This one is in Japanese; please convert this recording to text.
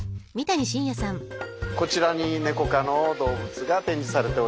こちらにネコ科の動物が展示されております。